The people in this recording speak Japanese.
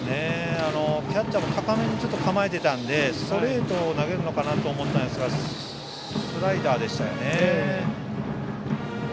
キャッチャーも高めに構えていたのでストレートを投げるのかなと思ったんですがスライダーでしたよね。